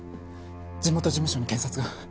地元事務所に検察が。